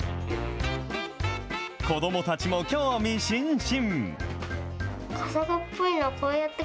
子どもたちも興味津々。